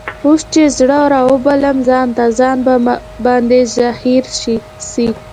اوس چي زړه رابولم ځان ته ، ځان په ما باندي زهیر سي